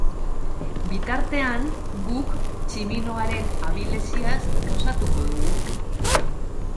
Bitartean, guk, tximinoaren abileziaz gozatuko dugu.